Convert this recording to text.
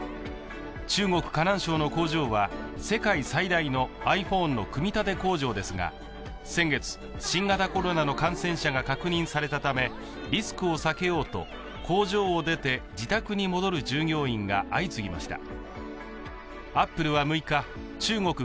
中国・河南省の工場は世界最大のｉＰｈｏｎｅの組み立て工場ですが、先月、新型コロナの感染者が確認されたためリスクを避けようと工場を出て自宅に戻る従業員が相次ぎました。